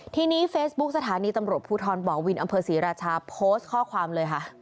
ทีนี้เฟซบุ๊คสถานีตำรวจภูทรบ่อวินอำเภอศรีราชาโพสต์ข้อความเลยค่ะ